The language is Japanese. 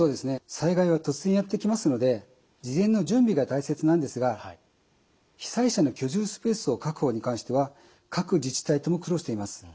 災害は突然やって来ますので事前の準備が大切なんですが被災者の居住スペースの確保に関しては各自治体とも苦労しています。